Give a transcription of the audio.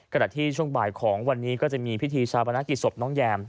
ขณะที่ช่วงบ่ายของวันนี้ก็จะมีพิธีชาปนกิจศพน้องแยม